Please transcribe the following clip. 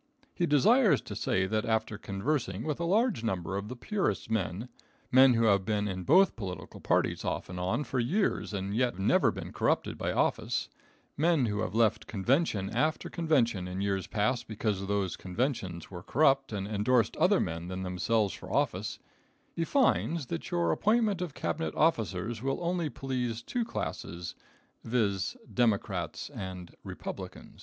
He desires to say that after conversing with a large number of the purest men, men who have been in both political parties off and on for years and yet have never been corrupted by office, men who have left convention after convention in years past because those conventions were corrupt and endorsed other men than themselves for office, he finds that your appointment of Cabinet officers will only please two classes, viz: Democrats and Republicans.